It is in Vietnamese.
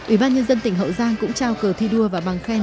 ủy ban nhân dân tỉnh hậu giang cũng trao cờ thi đua và bằng khen